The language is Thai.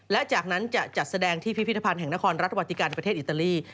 และจากนั้นจะจัดแสดงที่พิพิธภัณฑ์แห่งนครรัฐวัติกันประเทศอิตาลี